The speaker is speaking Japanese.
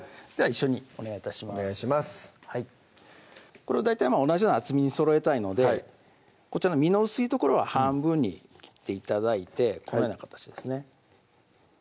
これを大体同じような厚みにそろえたいのでこちらの身の薄い所は半分に切って頂いてこのような形ですね